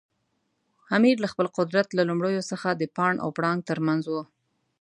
امیر له خپل قدرت له لومړیو څخه د پاڼ او پړانګ ترمنځ و.